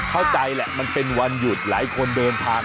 เข้าใจแหละมันเป็นวันหยุดหลายคนเดินทาง